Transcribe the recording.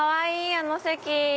あの席。